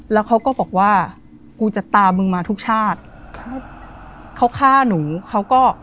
แล้วเขาก็บอกว่ากูจะตามึงมาทุกชาติครับเขาฆ่าหนูเขาก็